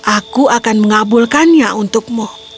aku akan mengabulkannya untukmu